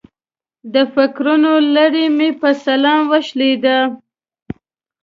د فکرونو لړۍ مې په سلام وشلېده.